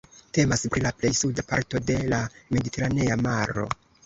Temas pri la plej suda parto de la Mediteranea Maro.